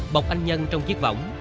bọc anh nhân trong chiếc vỏng